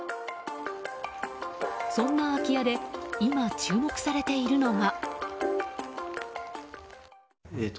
そんな空き家で今、注目されているのが。